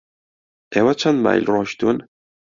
ئێوە چەند مایل ڕۆیشتوون؟